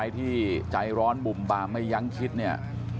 ที่ใจร้อนบุ่มบามไม่ยั้งคิดเนี่ย